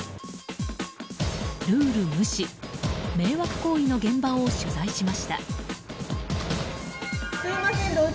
ルール無視、迷惑行為の現場を取材しました。